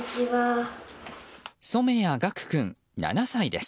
染谷岳玖君、７歳です。